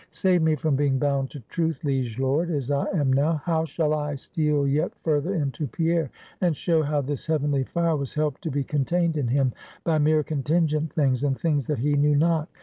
Save me from being bound to Truth, liege lord, as I am now. How shall I steal yet further into Pierre, and show how this heavenly fire was helped to be contained in him, by mere contingent things, and things that he knew not.